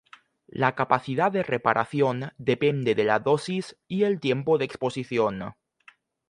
La capacidad de reparación depende de la dosis y el tiempo de exposición.